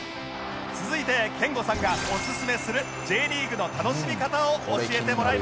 続いて憲剛さんがおすすめする Ｊ リーグの楽しみ方を教えてもらいました